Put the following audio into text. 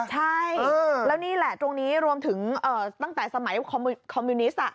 ใช่แล้วนี่แหละตรงนี้รวมถึงตั้งแต่สมัยคอมมิวนิสต์